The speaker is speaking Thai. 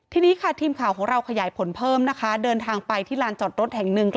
ทีนี้ค่ะทีมข่าวของเราขยายผลเพิ่มนะคะเดินทางไปที่ลานจอดรถแห่งหนึ่ง